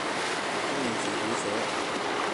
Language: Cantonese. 除非你自己寫